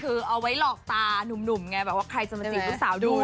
คือเอาไว้หลอกตานุ่มไงแบบว่าใครจะมาจีบลูกสาวดู